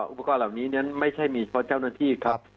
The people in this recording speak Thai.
อุปกรณ์เหล่านี้นั้นไม่ใช่มีเพราะเจ้าหน้าที่ครับ